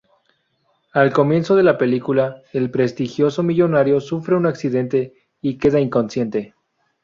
Al comienzo de la película, el prestigioso millonario sufre un accidente y queda inconsciente.